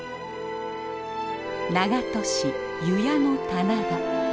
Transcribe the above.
長門市油谷の棚田。